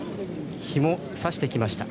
日もさしてきました。